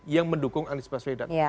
yang mendukung anies baswedan